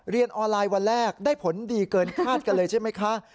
เรียนออนไลน์วันแรกได้ผลดีเกินคาดกันเลยใช่ไหมคะ